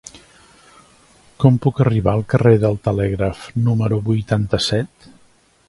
Com puc arribar al carrer del Telègraf número vuitanta-set?